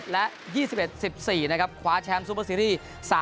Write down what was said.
๒๑๑๑และ๒๑๑๔ขวาแชมป์ซูเปอร์ซีรีส์